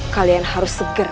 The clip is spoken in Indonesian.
kalian harus segera